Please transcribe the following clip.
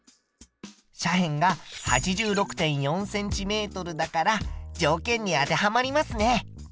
斜辺が８６．４ｃｍだから条件に当てはまりますね。